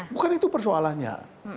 bukan itu persoalannya